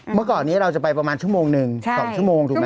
เมื่อก่อนนี้เราจะไปประมาณชั่วโมงหนึ่ง๒ชั่วโมงถูกไหม